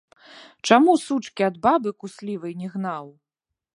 Чаму сучкі ад бабы куслівай не гнаў?